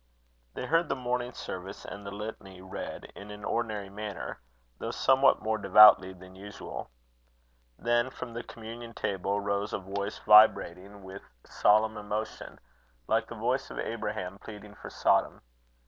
They heard the Morning Service and the Litany read in an ordinary manner, though somewhat more devoutly than usual. Then, from the communion table, rose a voice vibrating with solemn emotion, like the voice of Abraham pleading for Sodom.